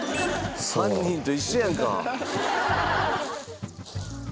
犯人と一緒やんか。